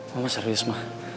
mama serius ma